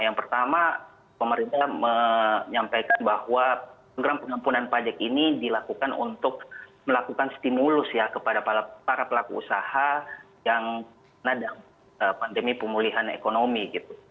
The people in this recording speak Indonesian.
yang pertama pemerintah menyampaikan bahwa program pengampunan pajak ini dilakukan untuk melakukan stimulus ya kepada para pelaku usaha yang ada pandemi pemulihan ekonomi gitu